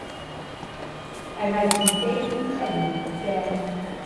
係咪自己編程嘅？